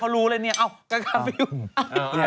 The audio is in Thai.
เขารู้เลยเนี่ยเอาก็ไป